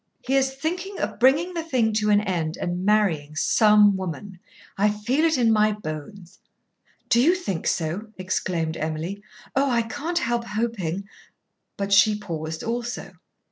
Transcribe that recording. "He is thinking of bringing the thing to an end and marrying some woman. I feel it in my bones." "Do you think so?" exclaimed Emily. "Oh, I can't help hoping " But she paused also.